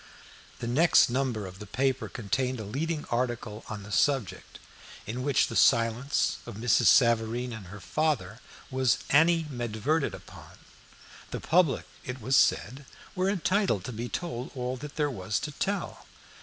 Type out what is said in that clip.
The next number of the paper contained a leading article on the subject, in which the silence of Mrs. Savareen and her father was animadverted upon. The public, it was said, were entitled to be told all that there was to tell.